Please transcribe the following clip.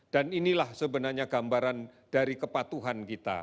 dan inilah sebenarnya gambaran dari kepatuhan kita